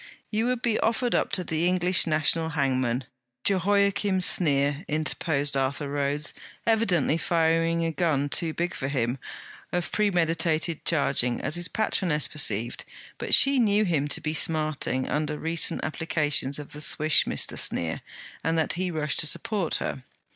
'You would be offered up to the English national hangman, Jehoiachim Sneer,' interposed Arthur Rhodes, evidently firing a gun too big for him, of premeditated charging, as his patroness perceived; but she knew him to be smarting under recent applications of the swish of Mr. Sneer, and that he rushed to support her.